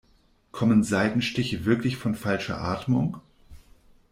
Kommen Seitenstiche wirklich von falscher Atmung?